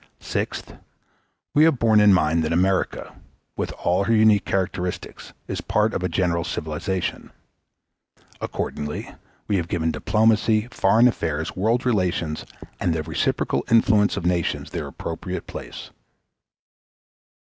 Sixth. We have borne in mind that America, with all her unique characteristics, is a part of a general civilization. Accordingly we have given diplomacy, foreign affairs, world relations, and the reciprocal influences of nations their appropriate place.